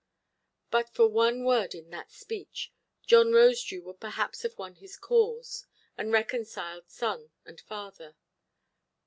But for one word in that speech, John Rosedew would perhaps have won his cause, and reconciled son and father.